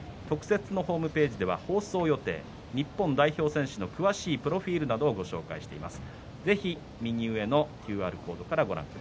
特設のホームページでは放送予定日本代表選手の詳しいプロフィールなどをご紹介してます。